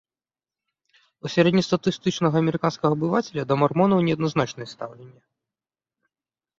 У сярэднестатыстычнага амерыканскага абывацеля да мармонаў неадназначнае стаўленне.